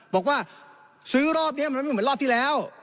บอกว่าซื้อรอบนี้มันไม่เหมือนรอบที่แล้ว